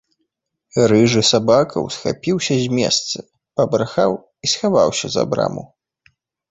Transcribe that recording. Рыжы сабака ўсхапіўся з месца, пабрахаў і схаваўся за браму.